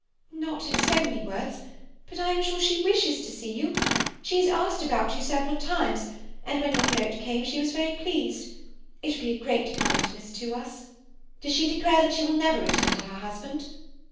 "Not in so many words—but I am sure she wishes to see you. She has asked about you several times, and when your note came she was very pleased. It would be a great kindness to us—" "Does she declare that she will never return to her husband?"